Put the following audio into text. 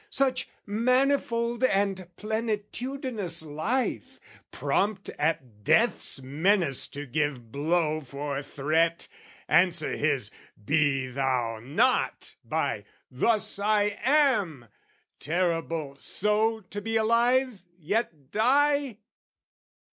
Such manifold and plenitudinous life, Prompt at death's menace to give blow for threat, Answer his "Be thou not!" by "Thus I am!" Terrible so to be alive yet die?